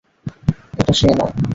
এটা সে নয়।